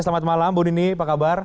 selamat malam bu nini apa kabar